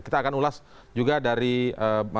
kita akan ulas juga dari mas burad